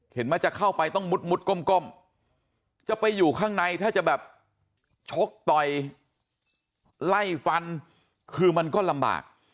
มักจะเข้าไปต้องมุดก้มจะไปอยู่ข้างในถ้าจะแบบชกต่อยไล่ฟันคือมันก็ลำบาก